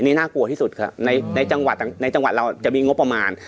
นี่น่ากลัวที่สุดครับในจังหวัดในจังหวัดเราจะมีงบประมาณ